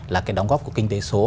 là cái đóng góp của kinh tế số